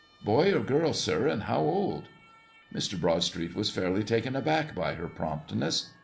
"Boy or girl, sir, and how old?" Mr. Broadstreet was fairly taken aback by her promptness.